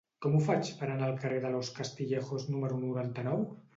Com ho faig per anar al carrer de Los Castillejos número noranta-nou?